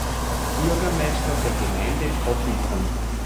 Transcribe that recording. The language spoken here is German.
Bürgermeister der Gemeinde Pottenbrunn.